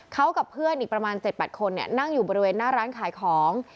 เขากับเพื่อนอีกประมาณ๗๘คนนั่งอยู่บริเวณหน้าร้านขายของ